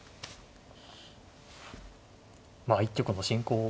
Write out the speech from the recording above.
まあ一局の進行を。